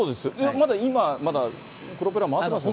まだ今、まだプロペラ回ってますよね。